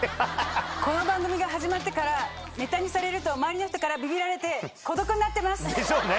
この番組が始まってから「ネタにされる」と周りの人からビビられて孤独になってます。